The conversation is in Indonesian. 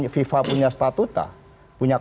fifa punya statuta punya